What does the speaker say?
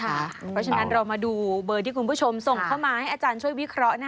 เพราะฉะนั้นเรามาดูเบอร์ที่คุณผู้ชมส่งเข้ามาให้อาจารย์ช่วยวิเคราะห์